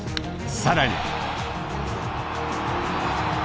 更に。